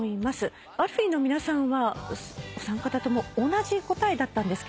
ＡＬＦＥＥの皆さんはお三方とも同じ答えだったんですけども。